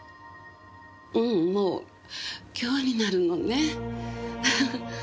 ううんもう今日になるのね。